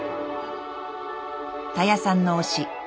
たやさんの推し